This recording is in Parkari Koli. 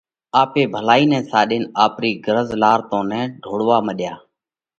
آپي ڀلائِي نئہ ساڏينَ آپرِي غرض لار تو نه ڍوڙوا مڏيا؟